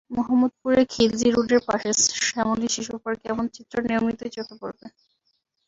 মোহাম্মদপুরের খিলজী রোডের পাশে শ্যামলী শিশুপার্কে এমন চিত্র নিয়মিতই চোখে পড়বে।